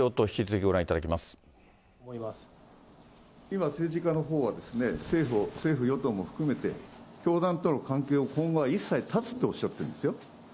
今、政治家のほうはですね、政府・与党も含めて、教団との関係を今後は一切断つっておっしゃってるんですよ。